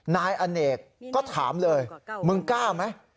นายอเนกก็ถามเลยมึงกล้าไหม